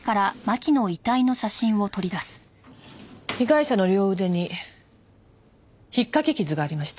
被害者の両腕にひっかき傷がありました。